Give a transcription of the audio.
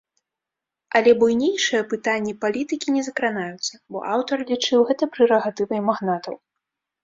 Але буйнейшыя пытанні палітыкі не закранаюцца, бо аўтар лічыў гэта прэрагатывай магнатаў.